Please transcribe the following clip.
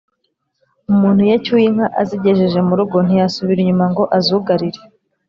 Umuntu iyo acyuye inka azigejeje mu rugo ntiyasubira inyuma ngo azugarire